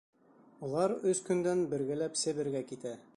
Улар өс көндән бергәләп Себергә китә.